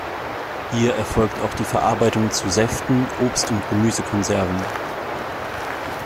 Hier erfolgt auch die Verarbeitung zu Säften, Obst- und Gemüsekonserven.